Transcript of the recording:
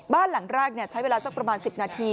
บ้านหลังแรกใช้เวลาสักประมาณ๑๐นาที